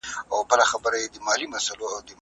که زغم وي نو تریخوالی نه راځي.